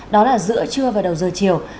đó là giữa trưa và đầu giờ chiều